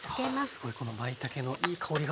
すごいこのまいたけのいい香りが。